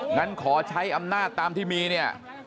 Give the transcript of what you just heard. งั้นขอใช้อำนาจตามที่มีเนี่ย